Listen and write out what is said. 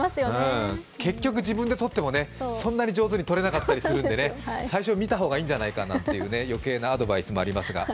結局自分で撮っても、そんなに上手に撮れなかったりするので最初に見た方がいいんじゃないという余計なアドバイスもありますが。